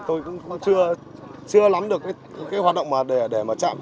tôi cũng chưa lắm được cái hoạt động để mà chạm